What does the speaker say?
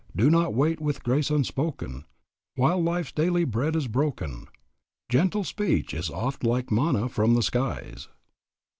Do not wait with grace unspoken, While life's daily bread is broken Gentle speech is oft like manna from the skies."